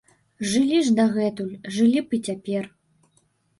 Жылі ж дагэтуль, жылі б і цяпер.